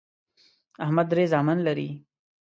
احمد درې زامن لري